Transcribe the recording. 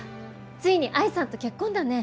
ついに愛さんと結婚だね。